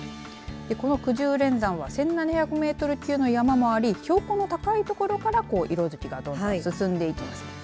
このくじゅう連山は１７００メートル級の山もあり標高の高い所から色づきがどんどん進んでいきます。